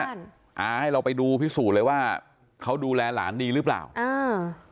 อ่าให้เราไปดูพิสูจน์เลยว่าเขาดูแลหลานดีหรือเปล่าอ่า